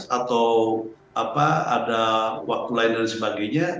atau ada waktu lain dan sebagainya